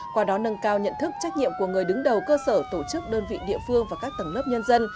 qua đó nâng cao nhận thức trách nhiệm của người đứng đầu cơ sở tổ chức đơn vị địa phương và các tầng lớp nhân dân